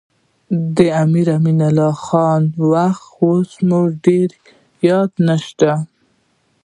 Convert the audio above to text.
د امیر امان الله خان وخت و اوس مو ډېر یاد نه شي.